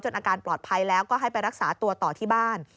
อาการปลอดภัยแล้วก็ให้ไปรักษาตัวต่อที่บ้าน